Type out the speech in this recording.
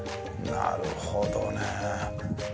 なるほどね。